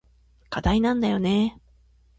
課題なんだよね。